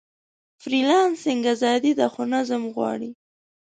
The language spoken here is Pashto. فریلانسنګ ازادي ده، خو نظم غواړي.